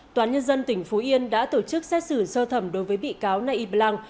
toán nhân dân tỉnh phú yên đã tổ chức xét xử sơ thẩm đối với bị cáo nay y blanc